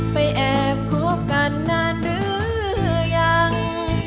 แอบคบกันนานหรือยัง